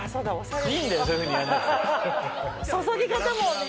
注ぎ方もね